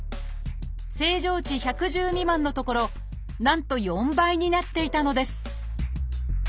正常値１１０未満のところなんと４倍になっていたのです。